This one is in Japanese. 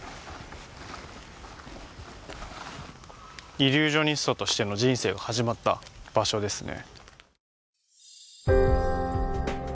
イリュージョニストとしての人生が始まった場所ですね